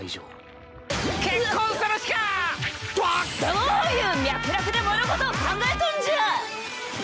どういう脈絡で物事を考えとんじゃ！